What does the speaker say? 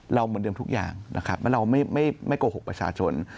เราเหมือนเดิมทุกอย่างเราไม่โกหกประชาชน